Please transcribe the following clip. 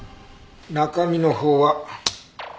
中身のほうは。